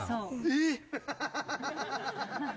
えっ！？